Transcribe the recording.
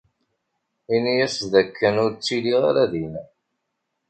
Ini-as d akken ur ttiliɣ ara din.